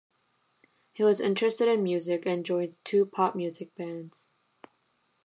He was interested in music and joined two pop music bands.